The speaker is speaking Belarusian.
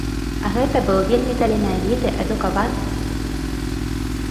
А гэта быў вельмі таленавіты, адукаваны і сціплы чалавек.